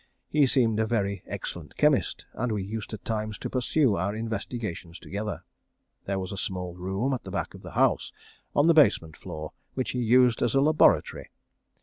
He seemed a very excellent chemist, and we used at times to pursue our investigations together. There was a small room at the back of the house, on the basement floor, which he used as a laboratory.